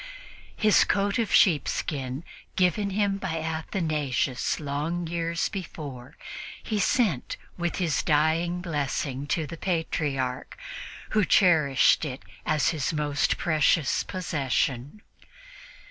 His coat of sheepskin, given him by Athanasius long years before, he sent with his dying blessing to the Patriarch, who cherished it as his most precious possession.